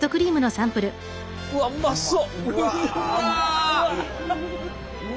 うわっうまそう！